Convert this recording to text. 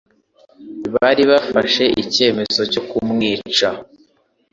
Bari bafashe icyemezo cyo kumwica.